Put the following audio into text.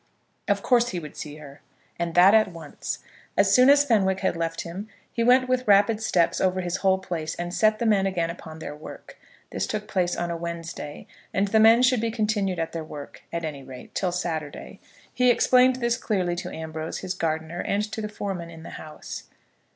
Of course he would see her, and that at once. As soon as Fenwick had left him, he went with rapid steps over his whole place, and set the men again upon their work. This took place on a Wednesday, and the men should be continued at their work, at any rate, till Saturday. He explained this clearly to Ambrose, his gardener, and to the foreman in the house.